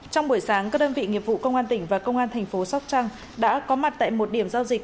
trong buổi sáng các đơn vị nghiệp vụ công an tỉnh và công an thành phố sóc trăng đã có mặt tại một điểm giao dịch